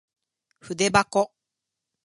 ふでばこ